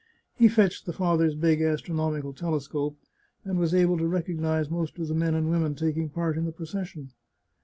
He fetched the Father's big astronomical .telescope, and was able to recognise most of the men and women taking part in the procession.